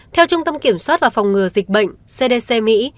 theo trung tâm kiểm soát và phòng ngừa dịch bệnh cdc mỹ